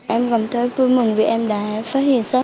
em cảm thấy vui mừng vì em đã phát hiện sớm